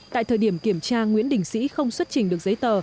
tại thời điểm kiểm tra nguyễn đình sĩ không xuất trình được giấy tờ